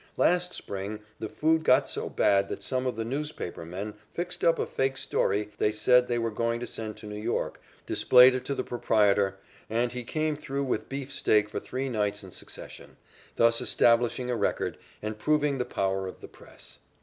Last spring the food got so bad that some of the newspaper men fixed up a fake story they said they were going to send to New York, displayed it to the proprietor, and he came through with beefsteak for three nights in succession, thus establishing a record and proving the power of the press.